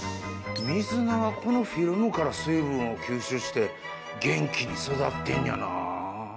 水菜はこのフィルムから水分を吸収して元気に育ってんねやな。